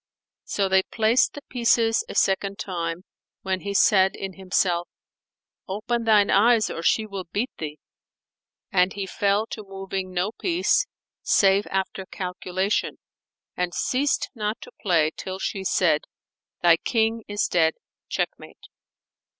So they placed the pieces a second time, when he said in himself, "Open thine eyes or she will beat thee." And he fell to moving no piece, save after calculation, and ceased not to play, till she said, "Thy King is dead!—Checkmate."